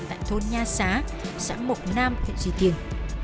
tại thôn nha xá xã mộc nam huyện duy tiên